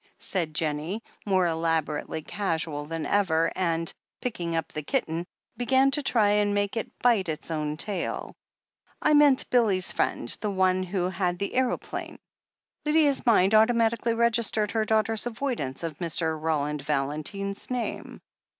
said Jennie, more elaborately casual than ever, and, picking up the kitten, began to try and make it bite its own tail. "I meant Billy's friend, the one who had the aeroplane." Lydia's mind automatically registered her daughter's avoidance of Mr. Roland Valentine's name.